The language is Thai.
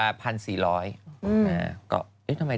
ก็ทำไมได้ปันตั้งประมาณ๑๔๐๐